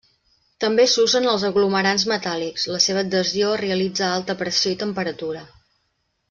També s'usen els aglomerants metàl·lics, la seva adhesió es realitza a alta pressió i temperatura.